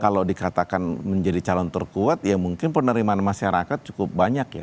kalau dikatakan menjadi calon terkuat ya mungkin penerimaan masyarakat cukup banyak ya